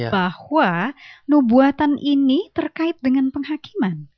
bahwa nubuatan ini terkait dengan penghakiman